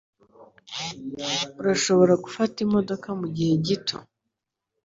Urashobora gufata imodoka mugihe gito?